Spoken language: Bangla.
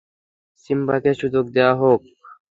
সিম্বাকে সুযোগ দেওয়া হোক!